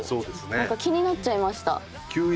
なんか気になっちゃいました。